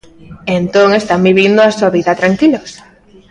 Entón están vivindo a súa vida tranquilos.